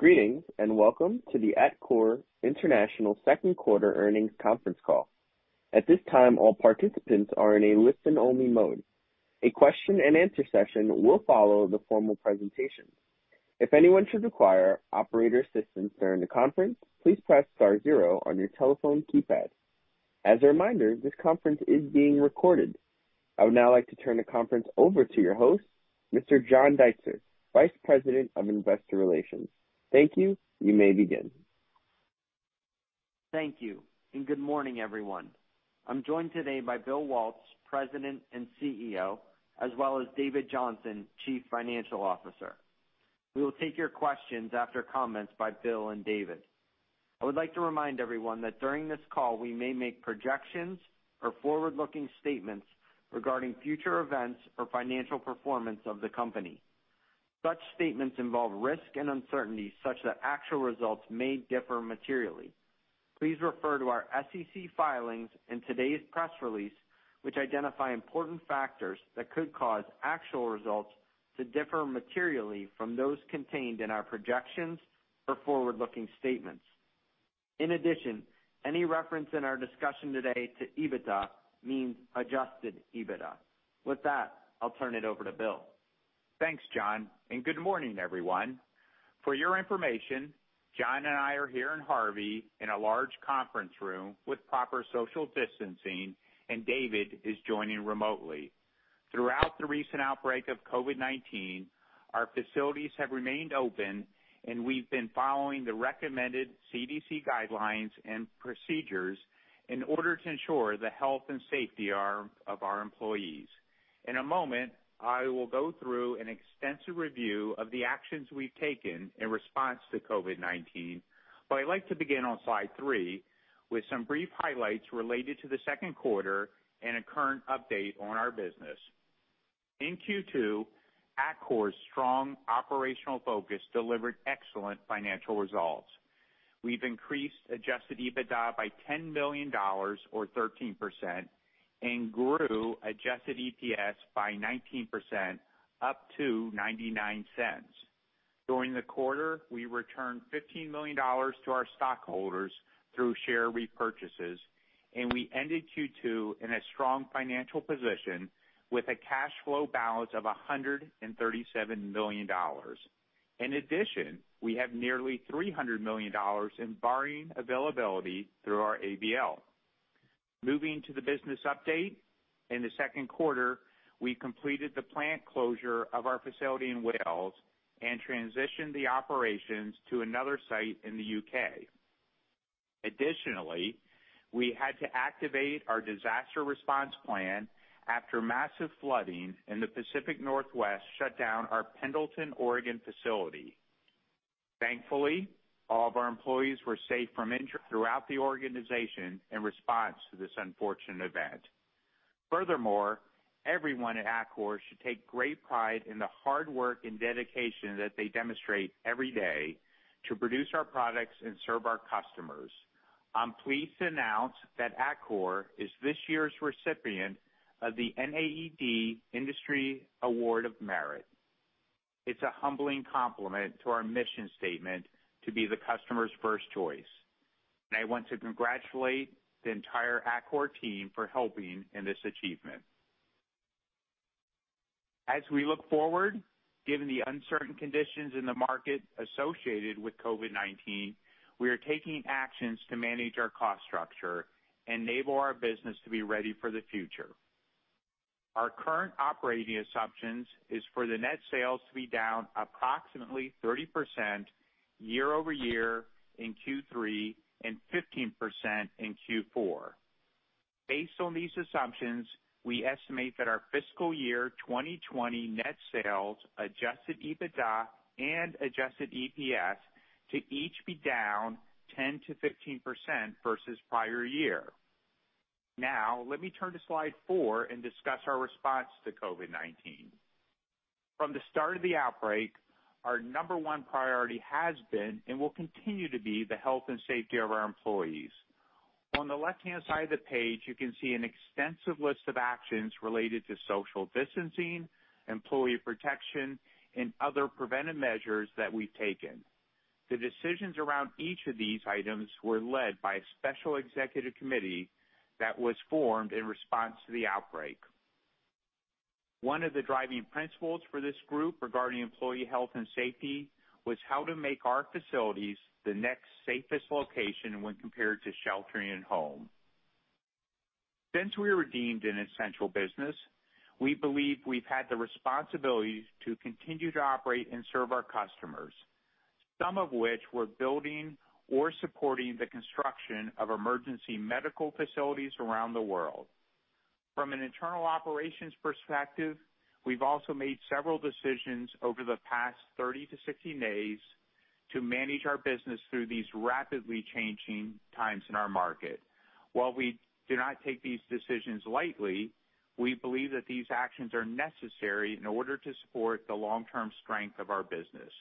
Greetings, welcome to the Atkore International second quarter earnings conference call. At this time, all participants are in a listen-only mode. A question and answer session will follow the formal presentation. If anyone should require operator assistance during the conference, please press star zero on your telephone keypad. As a reminder, this conference is being recorded. I would now like to turn the conference over to your host, Mr. John Deitzer, Vice President of Investor Relations. Thank you. You may begin. Thank you. Good morning, everyone. I'm joined today by Bill Waltz, President and CEO, as well as David Johnson, Chief Financial Officer. We will take your questions after comments by Bill and David. I would like to remind everyone that during this call, we may make projections or forward-looking statements regarding future events or financial performance of the company. Such statements involve risk and uncertainty such that actual results may differ materially. Please refer to our SEC filings and today's press release, which identify important factors that could cause actual results to differ materially from those contained in our projections or forward-looking statements. In addition, any reference in our discussion today to EBITDA means Adjusted EBITDA. With that, I'll turn it over to Bill. Thanks, John. Good morning, everyone. For your information, John and I are here in Harvey in a large conference room with proper social distancing, and David is joining remotely. Throughout the recent outbreak of COVID-19, our facilities have remained open, and we've been following the recommended CDC guidelines and procedures in order to ensure the health and safety of our employees. In a moment, I will go through an extensive review of the actions we've taken in response to COVID-19, but I'd like to begin on slide three with some brief highlights related to the second quarter and a current update on our business. In Q2, Atkore's strong operational focus delivered excellent financial results. We've increased Adjusted EBITDA by $10 million, or 13%, and grew Adjusted EPS by 19%, up to $0.99. During the quarter, we returned $15 million to our stockholders through share repurchases, and we ended Q2 in a strong financial position with a cash flow balance of $137 million. In addition, we have nearly $300 million in borrowing availability through our ABL. Moving to the business update. In the second quarter, we completed the plant closure of our facility in Wales and transitioned the operations to another site in the U.K. Additionally, we had to activate our disaster response plan after massive flooding in the Pacific Northwest shut down our Pendleton, Oregon facility. Thankfully, all of our employees were safe from injury throughout the organization in response to this unfortunate event. Furthermore, everyone at Atkore should take great pride in the hard work and dedication that they demonstrate every day to produce our products and serve our customers. I'm pleased to announce that Atkore is this year's recipient of the NAED Industry Award of Merit. It's a humbling compliment to our mission statement to be the customer's first choice. I want to congratulate the entire Atkore team for helping in this achievement. As we look forward, given the uncertain conditions in the market associated with COVID-19, we are taking actions to manage our cost structure enable our business to be ready for the future. Our current operating assumptions is for the net sales to be down approximately 30% year-over-year in Q3 and 15% in Q4. Based on these assumptions, we estimate that our fiscal year 2020 net sales, Adjusted EBITDA, and Adjusted EPS to each be down 10%-15% versus prior year. Now, let me turn to slide four and discuss our response to COVID-19. From the start of the outbreak, our number one priority has been, and will continue to be, the health and safety of our employees. On the left-hand side of the page, you can see an extensive list of actions related to social distancing, employee protection, and other preventive measures that we've taken. The decisions around each of these items were led by a special executive committee that was formed in response to the outbreak. One of the driving principles for this group regarding employee health and safety was how to make our facilities the next safest location when compared to sheltering at home. Since we were deemed an essential business, we believe we've had the responsibility to continue to operate and serve our customers, some of which were building or supporting the construction of emergency medical facilities around the world. From an internal operations perspective, we've also made several decisions over the past 30 to 60 days to manage our business through these rapidly changing times in our market. While we do not take these decisions lightly, we believe that these actions are necessary in order to support the long-term strength of our business.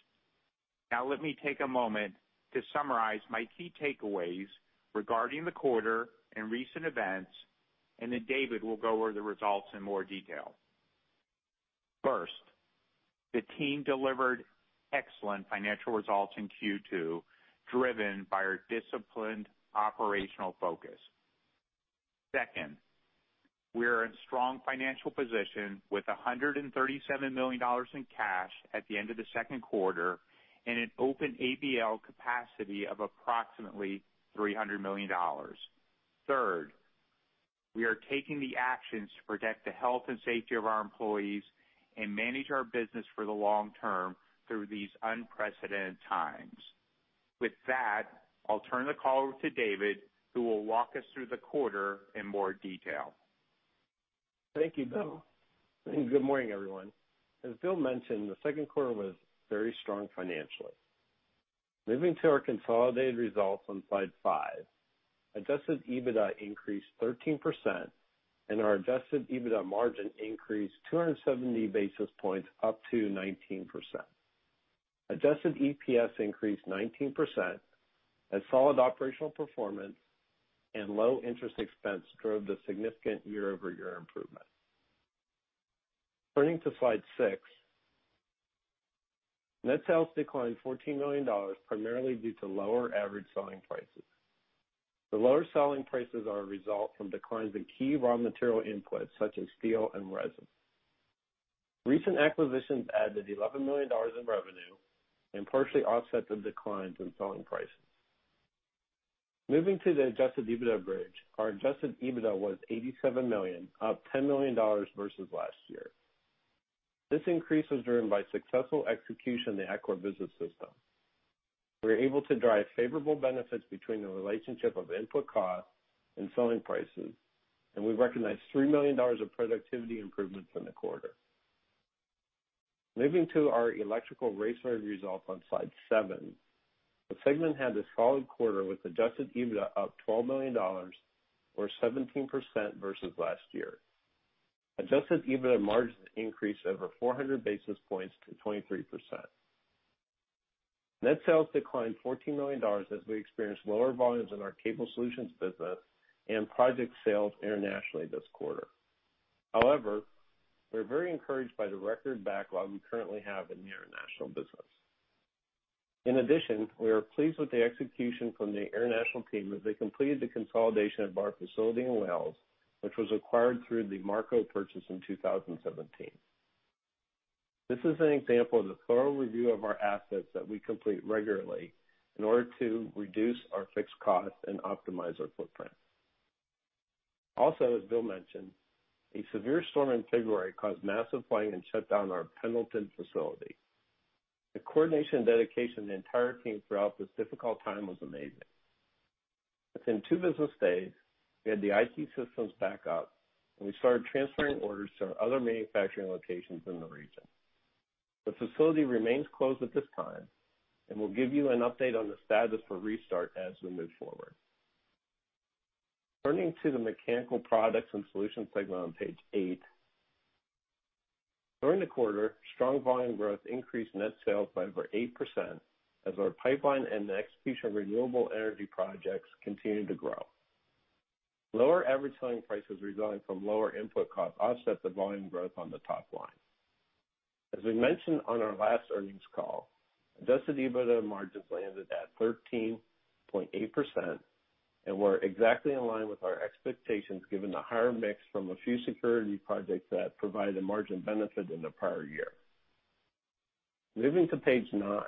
Let me take a moment to summarize my key takeaways regarding the quarter and recent events, and then David will go over the results in more detail. The team delivered excellent financial results in Q2, driven by our disciplined operational focus. We are in strong financial position with $137 million in cash at the end of the second quarter and an open ABL capacity of approximately $300 million. Third, we are taking the actions to protect the health and safety of our employees and manage our business for the long term through these unprecedented times. With that, I'll turn the call over to David, who will walk us through the quarter in more detail. Thank you, Bill, and good morning, everyone. As Bill mentioned, the second quarter was very strong financially. Moving to our consolidated results on slide five, Adjusted EBITDA increased 13%, and our Adjusted EBITDA margin increased 270 basis points up to 19%. Adjusted EPS increased 19%, as solid operational performance and low-interest expense drove the significant year-over-year improvement. Turning to slide six. Net sales declined $14 million, primarily due to lower average selling prices. The lower selling prices are a result from declines in key raw material inputs such as steel and resin. Recent acquisitions added $11 million in revenue and partially offset the declines in selling prices. Moving to the Adjusted EBITDA bridge, our Adjusted EBITDA was $87 million, up $10 million versus last year. This increase was driven by successful execution of the Atkore Business System. We were able to drive favorable benefits between the relationship of input costs and selling prices. We recognized $3 million of productivity improvements in the quarter. Moving to our Electrical Raceway results on slide seven. The segment had a solid quarter with Adjusted EBITDA up $12 million or 17% versus last year. Adjusted EBITDA margins increased over 400 basis points to 23%. Net sales declined $14 million as we experienced lower volumes in our Cable Solutions business and project sales internationally this quarter. We are very encouraged by the record backlog we currently have in the international business. We are pleased with the execution from the international team as they completed the consolidation of our facility in Wales, which was acquired through the Marco purchase in 2017. This is an example of the thorough review of our assets that we complete regularly in order to reduce our fixed costs and optimize our footprint. As Bill mentioned, a severe storm in February caused massive flooding and shut down our Pendleton facility. The coordination and dedication of the entire team throughout this difficult time was amazing. Within two business days, we had the IT systems back up, and we started transferring orders to our other manufacturing locations in the region. The facility remains closed at this time, and we'll give you an update on the status for restart as we move forward. Turning to the Mechanical Products & Solutions segment on page eight. During the quarter, strong volume growth increased net sales by over 8% as our pipeline and the execution of renewable energy projects continued to grow. Lower average selling prices resulting from lower input costs offset the volume growth on the top line. As we mentioned on our last earnings call, Adjusted EBITDA margins landed at 13.8%, and we're exactly in line with our expectations given the higher mix from a few security projects that provided a margin benefit in the prior year. Moving to page nine.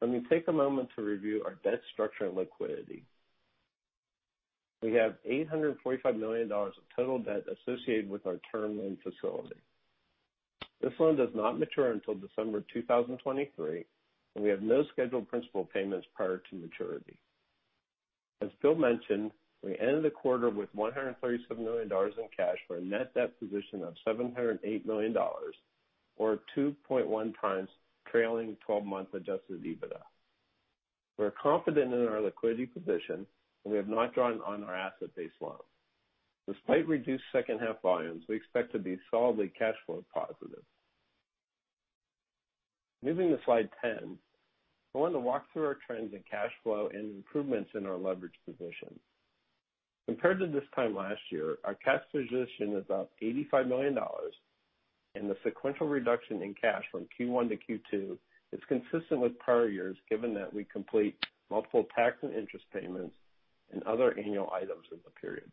Let me take a moment to review our debt structure and liquidity. We have $845 million of total debt associated with our term loan facility. This loan does not mature until December 2023, and we have no scheduled principal payments prior to maturity. As Bill mentioned, we ended the quarter with $137 million in cash for a net debt position of $708 million or 2.1x trailing 12-month Adjusted EBITDA. We are confident in our liquidity position, and we have not drawn on our asset-based loan. Despite reduced second-half volumes, we expect to be solidly cash flow positive. Moving to slide 10. I want to walk through our trends in cash flow and improvements in our leverage position. Compared to this time last year, our cash position is up $85 million, and the sequential reduction in cash from Q1 to Q2 is consistent with prior years given that we complete multiple tax and interest payments and other annual items in the period.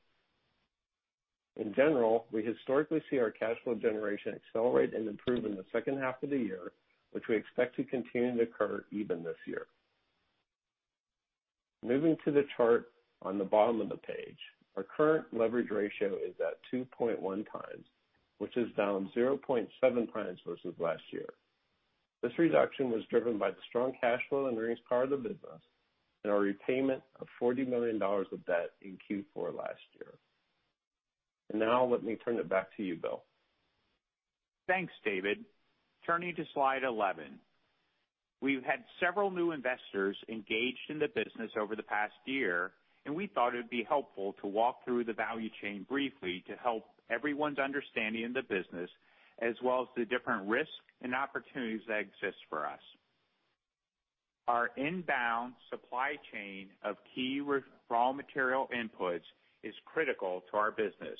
In general, we historically see our cash flow generation accelerate and improve in the second half of the year, which we expect to continue to occur even this year. Moving to the chart on the bottom of the page. Our current leverage ratio is at 2.1x, which is down 0.7x versus last year. This reduction was driven by the strong cash flow and earnings power of the business and our repayment of $40 million of debt in Q4 last year. Now let me turn it back to you, Bill. Thanks, David. Turning to slide 11. We've had several new investors engaged in the business over the past year, and we thought it would be helpful to walk through the value chain briefly to help everyone's understanding of the business as well as the different risks and opportunities that exist for us. Our inbound supply chain of key raw material inputs is critical to our business.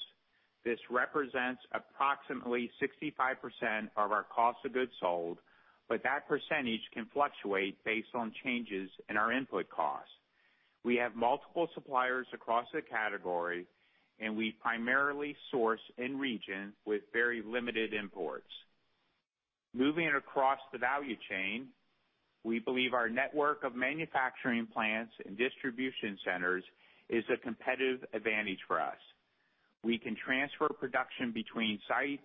This represents approximately 65% of our cost of goods sold, but that percentage can fluctuate based on changes in our input costs. We have multiple suppliers across the category, and we primarily source in region with very limited imports. Moving across the value chain, we believe our network of manufacturing plants and distribution centers is a competitive advantage for us. We can transfer production between sites,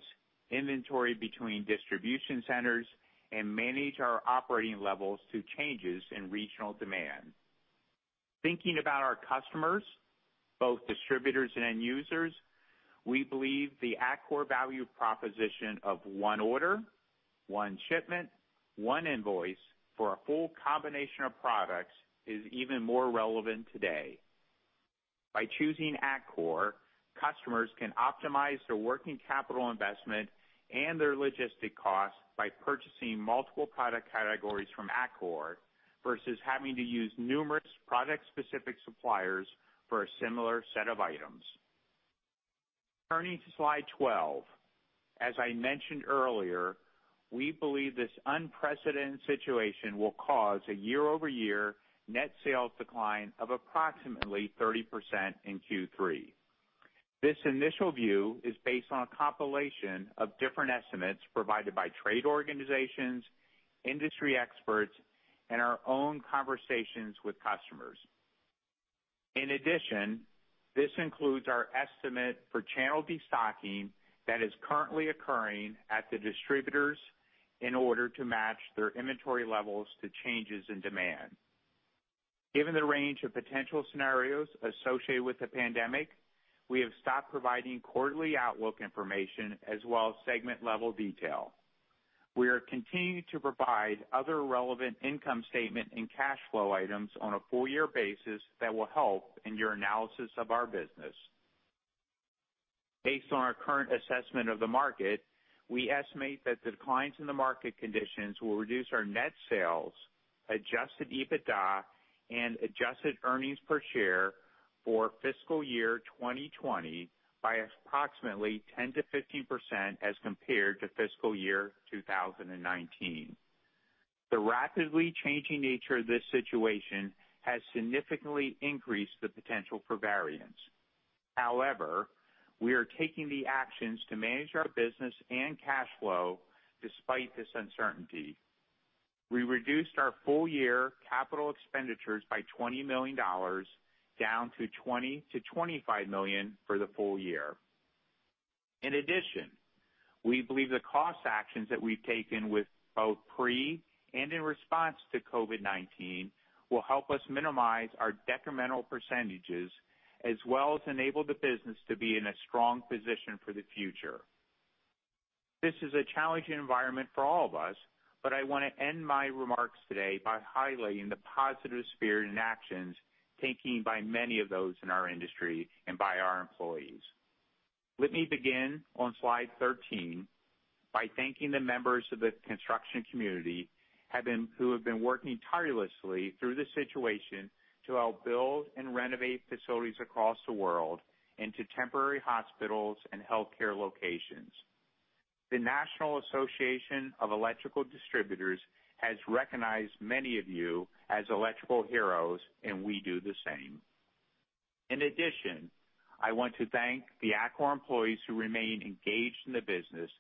inventory between distribution centers, and manage our operating levels to changes in regional demand. Thinking about our customers, both distributors and end users, we believe the Atkore value proposition of one order, one shipment, one invoice for a full combination of products is even more relevant today. By choosing Atkore, customers can optimize their working capital investment and their logistic costs by purchasing multiple product categories from Atkore, versus having to use numerous product-specific suppliers for a similar set of items. Turning to slide 12. As I mentioned earlier, we believe this unprecedented situation will cause a year-over-year net sales decline of approximately 30% in Q3. This initial view is based on a compilation of different estimates provided by trade organizations, industry experts, and our own conversations with customers. This includes our estimate for channel destocking that is currently occurring at the distributors in order to match their inventory levels to changes in demand. Given the range of potential scenarios associated with the pandemic, we have stopped providing quarterly outlook information as well as segment-level detail. We are continuing to provide other relevant income statement and cash flow items on a full-year basis that will help in your analysis of our business. Based on our current assessment of the market, we estimate that the declines in the market conditions will reduce our net sales, Adjusted EBITDA, and Adjusted EPS for fiscal year 2020 by approximately 10%-15% as compared to fiscal year 2019. The rapidly changing nature of this situation has significantly increased the potential for variance. We are taking the actions to manage our business and cash flow despite this uncertainty. We reduced our full-year capital expenditures by $20 million, down to $20 million-$25 million for the full year. We believe the cost actions that we've taken with both pre and in response to COVID-19 will help us minimize our detrimental percentages, as well as enable the business to be in a strong position for the future. This is a challenging environment for all of us, I want to end my remarks today by highlighting the positive spirit and actions taken by many of those in our industry and by our employees. Let me begin on slide 13 by thanking the members of the construction community who have been working tirelessly through this situation to help build and renovate facilities across the world into temporary hospitals and healthcare locations. The National Association of Electrical Distributors has recognized many of you as Electrical heroes, we do the same. I want to thank the Atkore employees who remain engaged in the business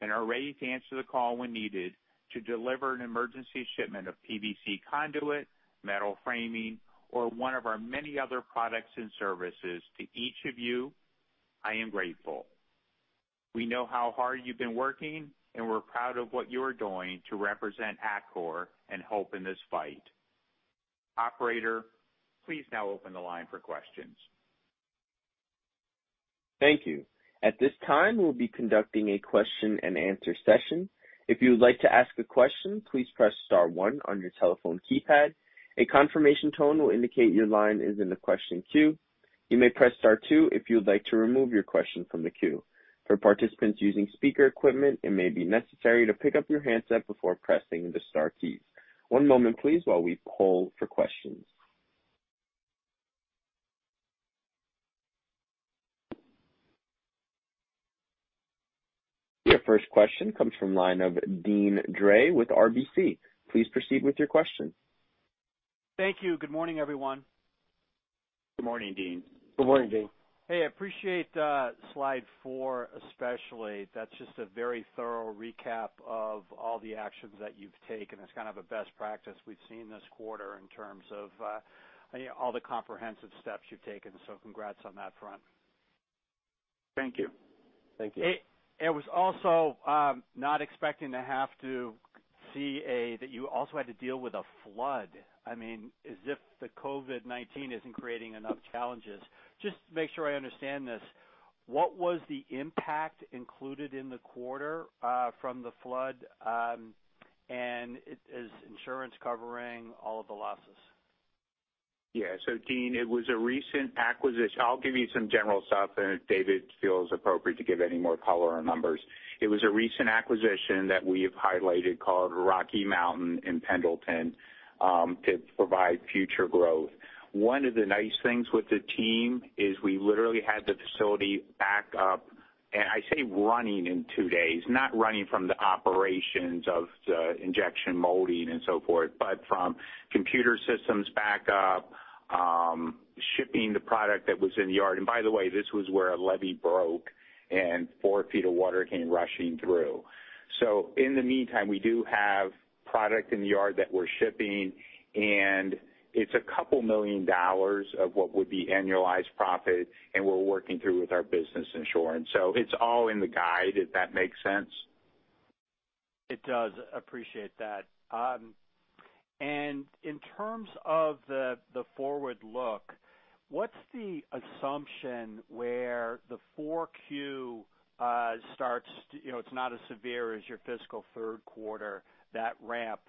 and are ready to answer the call when needed to deliver an emergency shipment of PVC conduit, metal framing, or one of our many other products and services. To each of you, I am grateful. We know how hard you've been working, and we're proud of what you are doing to represent Atkore and help in this fight. Operator, please now open the line for questions. Thank you. At this time, we'll be conducting a question-and-answer session. If you would like to ask a question, please press star one on your telephone keypad. A confirmation tone will indicate your line is in the question queue. You may press star two if you would like to remove your question from the queue. For participants using speaker equipment, it may be necessary to pick up your handset before pressing the star keys. One moment, please, while we poll for questions. Your first question comes from line of Deane Dray with RBC. Please proceed with your question. Thank you. Good morning, everyone. Good morning, Deane. Good morning, Deane. Hey, appreciate slide four especially. That's just a very thorough recap of all the actions that you've taken. It's kind of a best practice we've seen this quarter in terms of all the comprehensive steps you've taken, so congrats on that front. Thank you. Thank you. I was also not expecting to have to see that you also had to deal with a flood. As if the COVID-19 isn't creating enough challenges. Just to make sure I understand this, what was the impact included in the quarter from the flood? Is insurance covering all of the losses? Yeah. Deane, it was a recent acquisition. I'll give you some general stuff, and if David feels appropriate to give any more color or numbers. It was a recent acquisition that we have highlighted called Rocky Mountain in Pendleton, to provide future growth. One of the nice things with the team is we literally had the facility back up, and I say running in two days. Not running from the operations of the injection molding and so forth, but from computer systems back up, shipping the product that was in the yard. By the way, this was where a levee broke and four feet of water came rushing through. In the meantime, we do have product in the yard that we're shipping, and it's $2 million of what would be annualized profit, and we're working through with our business insurance. It's all in the guide, if that makes sense. It does. Appreciate that. In terms of the forward look, what's the assumption where the 4Q starts? It's not as severe as your fiscal third quarter, that ramp.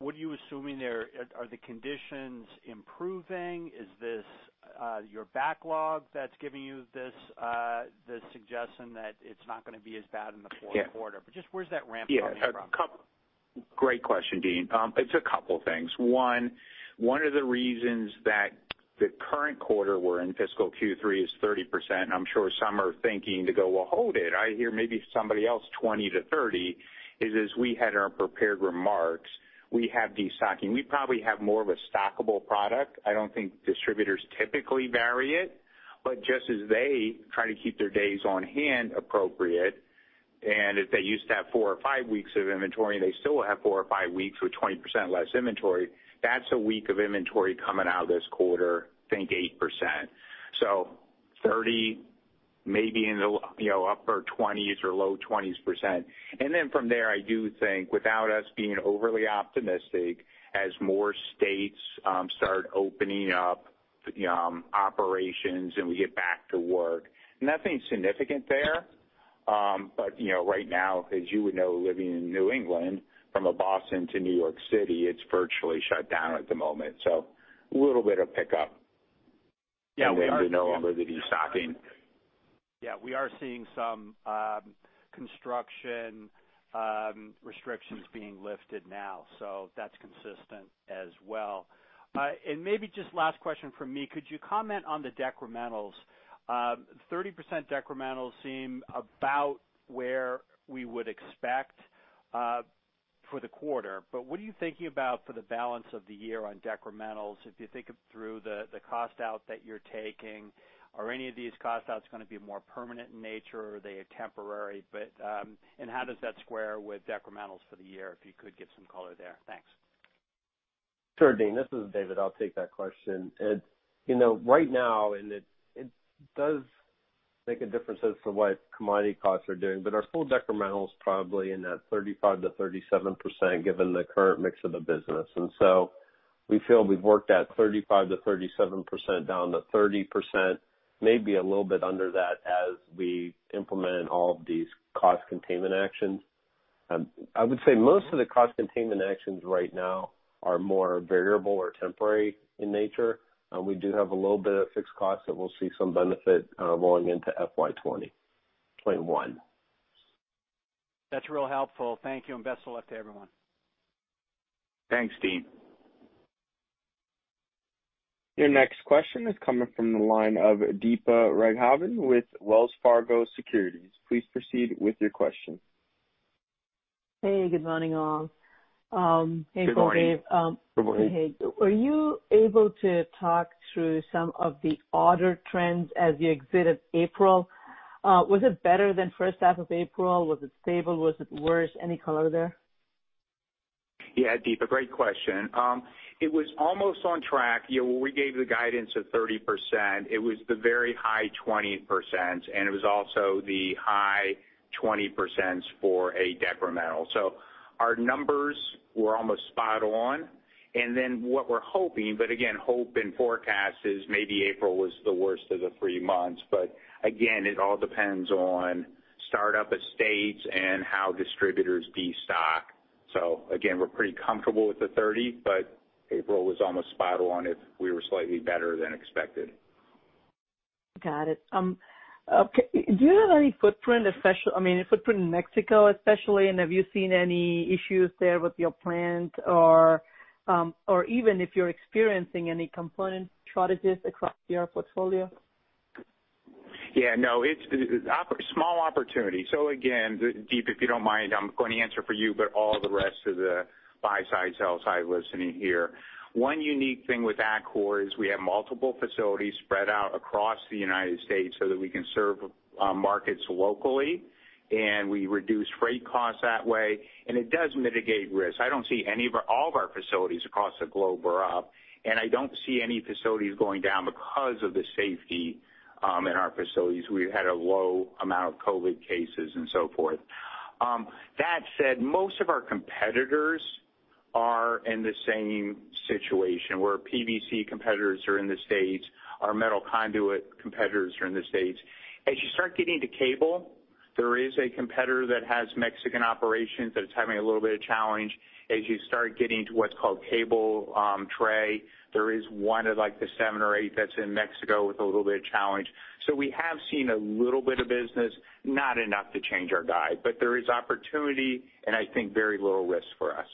What are you assuming there? Are the conditions improving? Is this your backlog that's giving you the suggestion that it's not going to be as bad in the fourth quarter? Yeah. Just where's that ramp coming from? Yeah. Great question, Deane. It's a couple things. One, one of the reasons that the current quarter we're in, fiscal Q3, is 30%, I'm sure some are thinking to go, well, hold it. I hear maybe somebody else 20%-30%, is as we had in our prepared remarks, we have destocking. We probably have more of a stockable product. I don't think distributors typically vary it, but just as they try to keep their days on hand appropriate, and if they used to have four or five weeks of inventory, and they still have four or five weeks with 20% less inventory, that's a week of inventory coming out of this quarter, think 8%. 30%, maybe in the upper 20s% or low 20s%. From there, I do think without us being overly optimistic, as more states start opening up operations and we get back to work. Nothing significant there. Right now, as you would know, living in New England, from a Boston to New York City, it's virtually shut down at the moment. A little bit of pickup. Yeah. We are seeing- We know over the destocking. Yeah, we are seeing some construction restrictions being lifted now. That's consistent as well. Maybe just last question from me, could you comment on the decrementals? 30% decrementals seem about where we would expect for the quarter, but what are you thinking about for the balance of the year on decrementals? If you think through the cost out that you're taking, are any of these cost outs going to be more permanent in nature? Are they temporary? How does that square with decrementals for the year, if you could give some color there? Thanks. Sure, Deane. This is David. I'll take that question. Right now, and it does make a difference as to what commodity costs are doing, but our full decrementals probably in that 35%-37%, given the current mix of the business. We feel we've worked at 35%-37% down to 30%, maybe a little bit under that as we implement all of these cost containment actions. I would say most of the cost containment actions right now are more variable or temporary in nature. We do have a little bit of fixed costs that we'll see some benefit rolling into FY 2021. That's real helpful. Thank you, and best of luck to everyone. Thanks, Deane. Your next question is coming from the line of Deepa Raghavan with Wells Fargo Securities. Please proceed with your question. Hey, good morning, all. Good morning. Hey, David. Good morning. Hey. Were you able to talk through some of the order trends as you exit April? Was it better than first half of April? Was it stable? Was it worse? Any color there? Yeah, Deepa, great question. It was almost on track. When we gave the guidance of 30%, it was the very high 20%, and it was also the high 20% for a decremental. Our numbers were almost spot on. What we're hoping, but again, hope and forecast is maybe April was the worst of the three months. Again, it all depends on startup of states and how distributors destock. Again, we're pretty comfortable with the 30%, but April was almost spot on if we were slightly better than expected. Got it. Do you have any footprint in Mexico, especially? Have you seen any issues there with your plant or even if you're experiencing any component shortages across your portfolio? Yeah, no. It's small opportunity. Again, Deepa, if you don't mind, I'm going to answer for you, but all the rest of the buy side, sell side listening here. One unique thing with Atkore is we have multiple facilities spread out across the U.S. so that we can serve markets locally, and we reduce freight costs that way, and it does mitigate risk. All of our facilities across the globe are up, and I don't see any facilities going down because of the safety in our facilities. We've had a low amount of COVID cases and so forth. That said, most of our competitors are in the same situation, where PVC competitors are in the U.S., our metal conduit competitors are in the U.S. As you start getting to cable. There is a competitor that has Mexican operations that is having a little bit of challenge. As you start getting to what's called cable tray, there is one of the seven or eight that's in Mexico with a little bit of challenge. We have seen a little bit of business, not enough to change our guide, but there is opportunity and I think very low risk for us.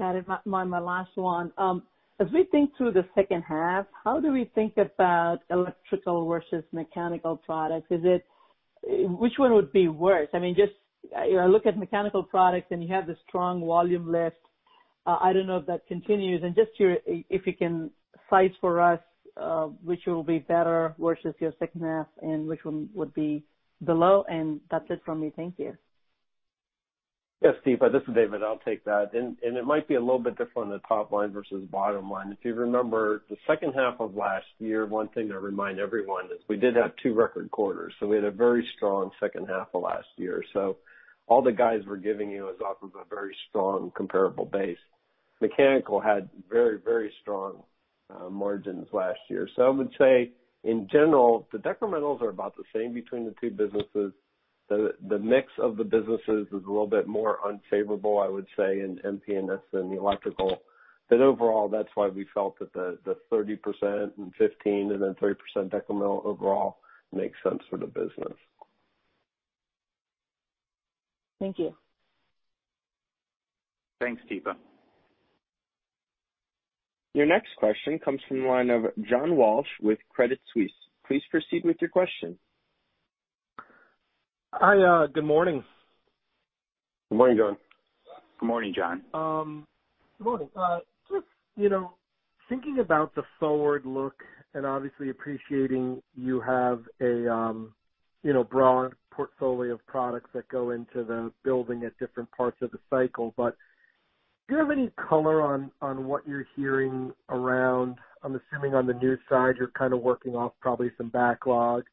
This is my last one. As we think through the second half, how do we think about Electrical Products versus Mechanical Products? Which one would be worse? I look at Mechanical Products, and you have the strong volume lift. I don't know if that continues. Just if you can cite for us, which will be better versus your second half and which one would be below. That's it from me. Thank you. Yes, Deepa, this is David, I'll take that. It might be a little bit different on the top line versus bottom line. If you remember the second half of last year, one thing to remind everyone is we did have two record quarters. We had a very strong second half of last year. All the guys we're giving you is off of a very strong comparable base. Mechanical had very strong margins last year. I would say, in general, the decrementals are about the same between the two businesses. The mix of the businesses is a little bit more unfavorable, I would say, in MP&S than the Electrical. Overall, that's why we felt that the 30% and 15% and then 30% decremental overall makes sense for the business. Thank you. Thanks, Deepa. Your next question comes from the line of John Walsh with Credit Suisse. Please proceed with your question. Hi, good morning. Good morning, John. Good morning, John. Good morning. Just thinking about the forward look and obviously appreciating you have a broad portfolio of products that go into the building at different parts of the cycle, but do you have any color on what you're hearing around, I'm assuming on the new side, you're kind of working off probably some backlog.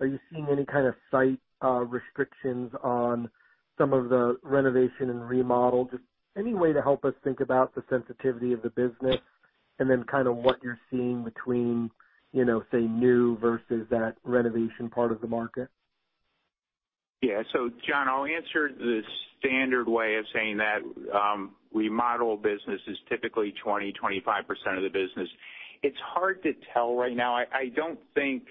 Are you seeing any kind of site restrictions on some of the renovation and remodel? Just any way to help us think about the sensitivity of the business, and then kind of what you're seeing between, say, new versus that renovation part of the market? John, I'll answer the standard way of saying that remodel business is typically 20%-25% of the business. It's hard to tell right now. I don't think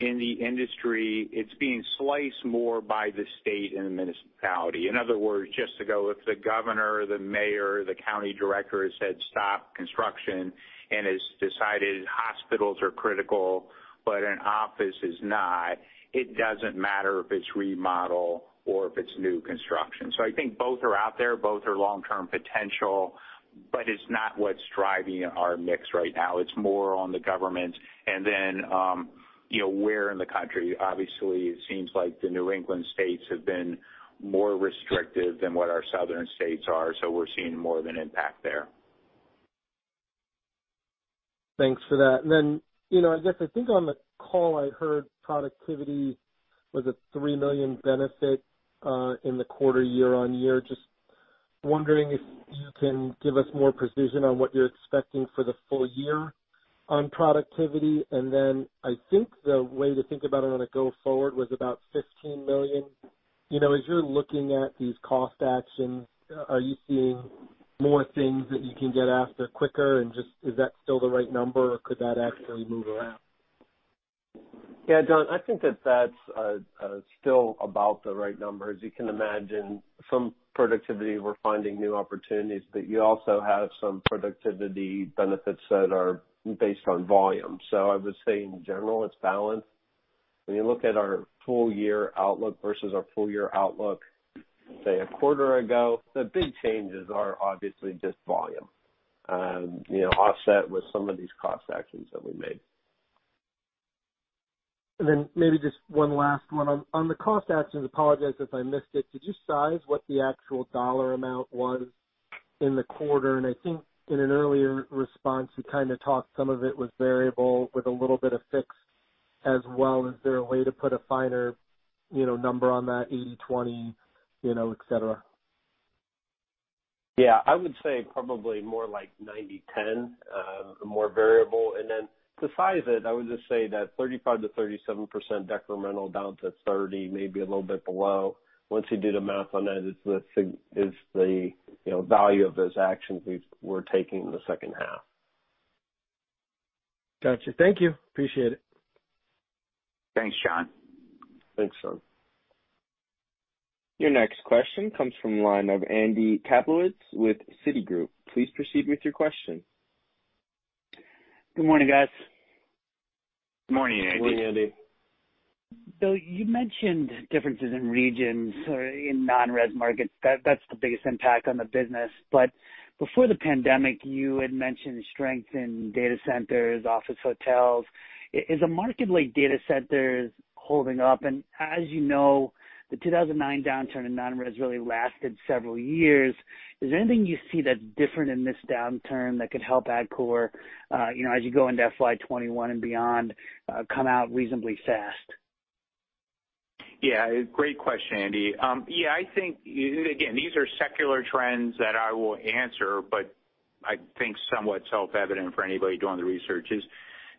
in the industry it's being sliced more by the state and the municipality. In other words, just to go if the governor, the mayor, the county director has said, stop construction, and has decided hospitals are critical, but an office is not, it doesn't matter if it's remodel or if it's new construction. I think both are out there, both are long-term potential, but it's not what's driving our mix right now. It's more on the government. Where in the country, obviously, it seems like the New England states have been more restrictive than what our southern states are, we're seeing more of an impact there. Thanks for that. I guess I think on the call I heard productivity was a $3 million benefit in the quarter year-over-year. Just wondering if you can give us more precision on what you're expecting for the full year on productivity. I think the way to think about it on a go forward was about $15 million. As you're looking at these cost actions, are you seeing more things that you can get after quicker? Just is that still the right number, or could that actually move around? Yeah, John, I think that's still about the right numbers. You can imagine some productivity, we're finding new opportunities, but you also have some productivity benefits that are based on volume. I would say in general, it's balanced. When you look at our full year outlook versus our full year outlook, say, a quarter ago, the big changes are obviously just volume, offset with some of these cost actions that we made. Then maybe just one last one. On the cost actions, apologize if I missed it, did you size what the actual dollar amount was in the quarter? I think in an earlier response, you kind of tossed some of it was variable with a little bit of fixed as well. Is there a way to put a finer number on that 80/20, et cetera? I would say probably more like 90/10, more variable. To size it, I would just say that 35%-37% decremental down to 30%, maybe a little bit below. Once you do the math on that is the value of those actions we're taking in the second half. Got you. Thank you. Appreciate it. Thanks, John. Thanks, John. Your next question comes from the line of Andy Kaplowitz with Citigroup. Please proceed with your question. Good morning, guys. Good morning, Andy. Good morning, Andy. You mentioned differences in regions or in non-res markets. That's the biggest impact on the business. Before the pandemic, you had mentioned strength in data centers, office hotels. Is a market like data centers holding up? As you know, the 2009 downturn in non-res really lasted several years. Is there anything you see that's different in this downturn that could help Atkore, as you go into FY 2021 and beyond, come out reasonably fast? Yeah. Great question, Andy. Yeah, I think, again, these are secular trends that I will answer, but I think somewhat self-evident for anybody doing the research is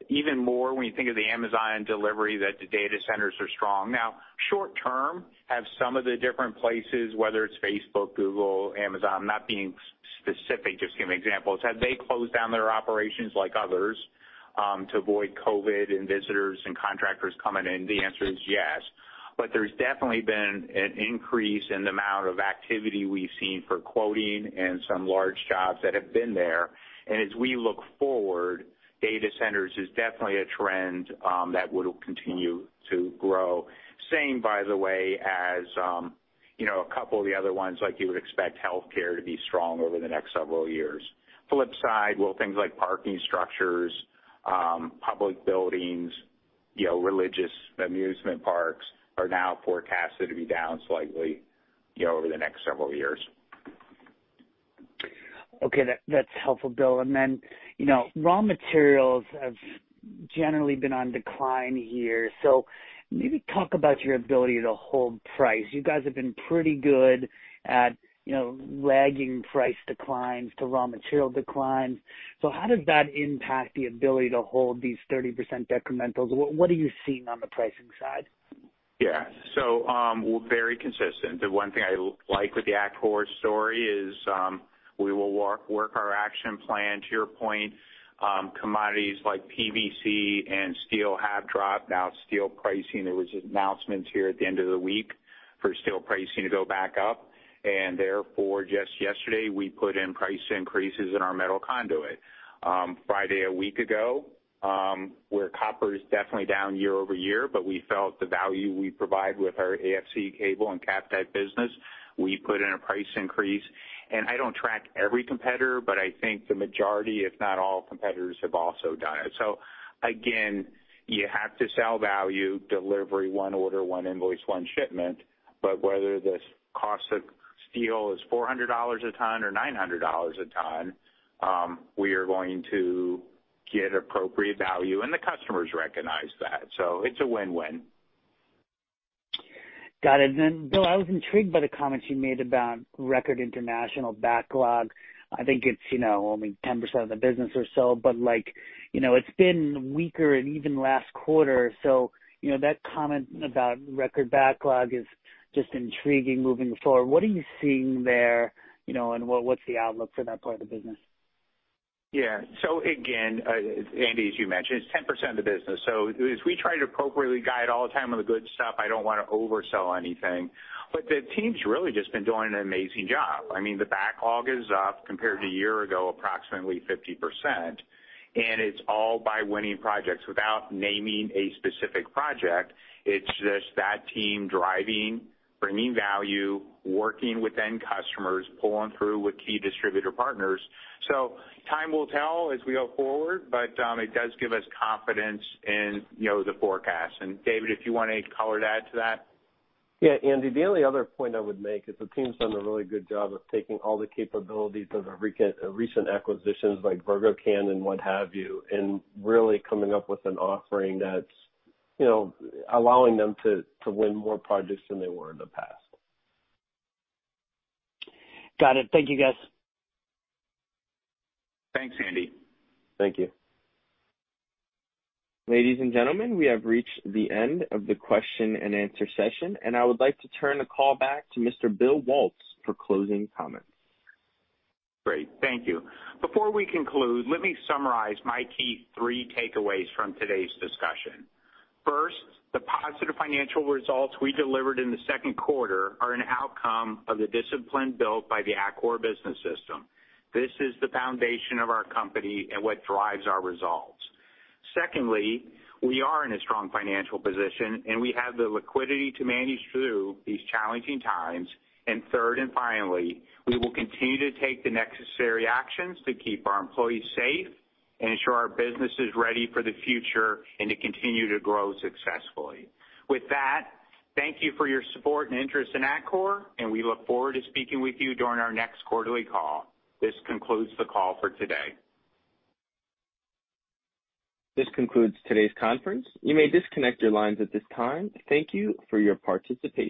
even more when you think of the Amazon delivery, that the data centers are strong. Now, short term, have some of the different places, whether it's Facebook, Google, Amazon, not being specific, just giving examples. Have they closed down their operations like others to avoid COVID and visitors and contractors coming in? The answer is yes. There's definitely been an increase in the amount of activity we've seen for quoting and some large jobs that have been there. As we look forward, data centers is definitely a trend that would continue to grow. Same, by the way, as a couple of the other ones, like you would expect healthcare to be strong over the next several years. Flip side, will things like parking structures, public buildings, religious amusement parks, are now forecasted to be down slightly over the next several years. Okay. That's helpful, Bill. Raw materials have generally been on decline here. Maybe talk about your ability to hold price. You guys have been pretty good at lagging price declines to raw material declines. How does that impact the ability to hold these 30% decrementals? What are you seeing on the pricing side? Yeah. We're very consistent. The one thing I like with the Atkore story is, we will work our action plan. To your point, commodities like PVC and steel have dropped. Steel pricing, there was announcements here at the end of the week for steel pricing to go back up, and therefore, just yesterday, we put in price increases in our metal conduit. Friday a week ago, where copper is definitely down year-over-year, but we felt the value we provide with our AFC Cable and Kaf-Tech business, we put in a price increase. I don't track every competitor, but I think the majority, if not all competitors, have also done it. Again, you have to sell value, delivery, one order, one invoice, one shipment. Whether the cost of steel is $400 a ton or $900 a ton, we are going to get appropriate value, and the customers recognize that, so it's a win-win. Got it. Bill, I was intrigued by the comments you made about record international backlog. I think it's only 10% of the business or so, but it's been weaker and even last quarter. That comment about record backlog is just intriguing moving forward. What are you seeing there, and what's the outlook for that part of the business? Again, Andy, as you mentioned, it's 10% of the business. As we try to appropriately guide all the time on the good stuff, I don't want to oversell anything, but the team's really just been doing an amazing job. The backlog is up compared to a year ago, approximately 50%, and it's all by winning projects. Without naming a specific project, it's just that team driving, bringing value, working with end customers, pulling through with key distributor partners. Time will tell as we go forward, but it does give us confidence in the forecast. David, if you want any color to add to that. Yeah, Andy, the only other point I would make is the team's done a really good job of taking all the capabilities of recent acquisitions like Vergokan and what have you, and really coming up with an offering that's allowing them to win more projects than they were in the past. Got it. Thank you, guys. Thanks, Andy. Thank you. Ladies and gentlemen, we have reached the end of the question-and-answer session, and I would like to turn the call back to Mr. Bill Waltz for closing comments. Great. Thank you. Before we conclude, let me summarize my key three takeaways from today's discussion. First, the positive financial results we delivered in the second quarter are an outcome of the discipline built by the Atkore Business System. This is the foundation of our company and what drives our results. Secondly, we are in a strong financial position, and we have the liquidity to manage through these challenging times. Third, and finally, we will continue to take the necessary actions to keep our employees safe and ensure our business is ready for the future and to continue to grow successfully. With that, thank you for your support and interest in Atkore, and we look forward to speaking with you during our next quarterly call. This concludes the call for today. This concludes today's conference. You may disconnect your lines at this time. Thank you for your participation.